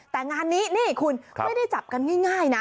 แต่งานนี้นี่คุณไม่ได้จับกันง่ายนะ